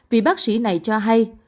vì bác sĩ này cho hay